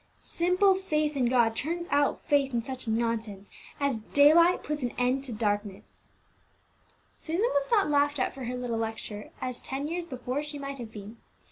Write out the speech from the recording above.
Simple faith in God turns out faith in such nonsense, as daylight puts an end to darkness." Susan was not laughed at for her little lecture as ten years before she might have been.